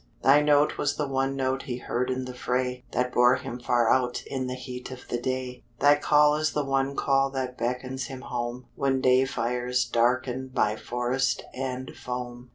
Thy note was the one note He heard in the fray, That bore him far out In the heat of the day; Thy call is the one call That beckons him home, When day fires darken By forest and foam.